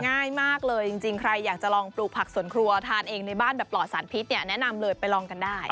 ง่ายมากเลยจริงใครอยากจะลองปลูกผักสวนครัวทานเองในบ้านแบบปลอดสารพิษเนี่ยแนะนำเลยไปลองกันได้